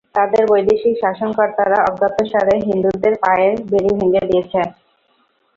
তাদের বৈদেশিক শাসনকর্তারা অজ্ঞাতসারে হিন্দুদের পায়ের বেড়ি ভেঙে দিয়েছে।